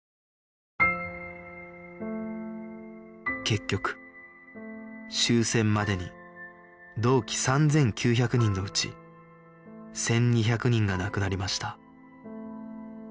結局終戦までに同期３９００人のうち１２００人が亡くなりました